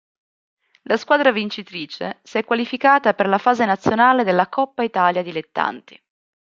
La squadra vincitrice si è qualificata per la fase nazionale della Coppa Italia Dilettanti.